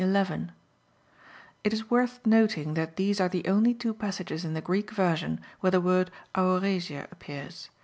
[*It is worth noting that these are the only two passages in the Greek version where the word aorasia appears.